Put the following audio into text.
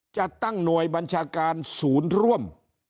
จะตั้งหน่วยบัญชาการศูนย์ร่วม